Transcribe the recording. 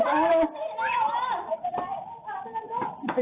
ฟ้าพี่ฟ้า